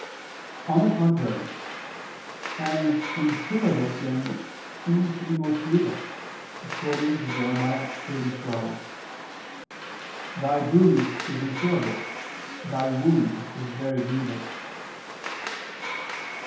On the contrary, An incurable sin seems to be most grievous, according to Jer. 30:12: "Thy bruise is incurable, thy wound is very grievous."